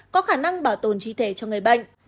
có khả năng bảo tồn tri thể cho người bệnh